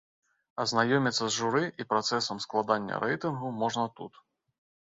Азнаёміцца з журы і працэсам складання рэйтынгу можна тут.